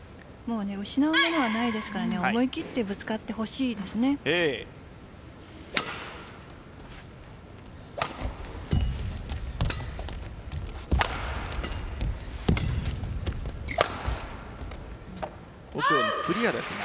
失うものはないですから思い切ってぶつかってほしいですね。